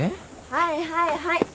はいはいはい。